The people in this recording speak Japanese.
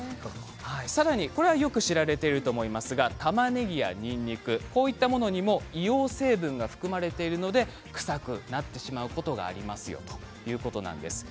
さらに、よく知られていると思いますがたまねぎやにんにくこういったものにも硫黄成分が含まれているので臭くなってしまうことがありますということなんです。